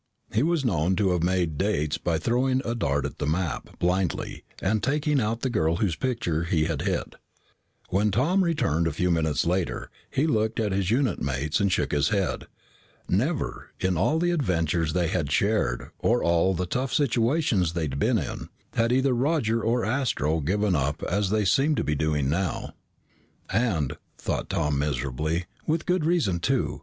He was known to have made dates by throwing a dart at the map blindly and taking out the girl whose picture he had hit. When Tom returned a few minutes later, he looked at his unit mates and shook his head. Never, in all the adventures they had shared or all the tough situations they had been in, had either Roger or Astro given up as they seemed to be doing now. "And," thought Tom miserably, "with good reason too!